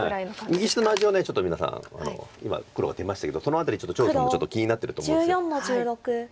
右下の味をちょっと皆さん今黒が出ましたけどその辺り張栩さんもちょっと気になってると思うんです。